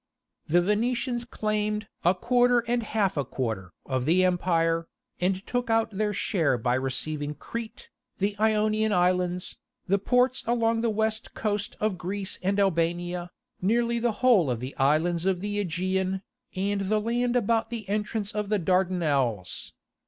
The Venetians claimed "a quarter and half a quarter" of the empire, and took out their share by receiving Crete, the Ionian Islands, the ports along the west coast of Greece and Albania, nearly the whole of the islands of the Aegean, and the land about the entrance of the Dardanelles.